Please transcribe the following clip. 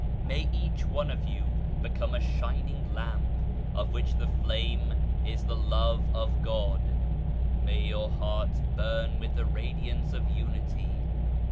May each one of you become a shining lamp, of which the flame is the Love of God. May your hearts burn with the Radiance of Unity.